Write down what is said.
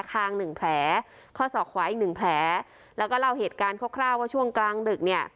คางหนึ่งแผลข้อศอกขวาอีกหนึ่งแผลแล้วก็เล่าเหตุการณ์คร่าวว่าช่วงกลางดึกเนี่ย